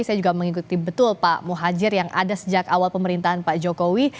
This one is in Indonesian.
saya juga mengikuti betul pak muhajir yang ada sejak awal pemerintahan pak jokowi